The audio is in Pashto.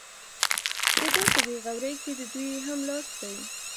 د ده په بې غورۍ کې د دوی هم لاس دی.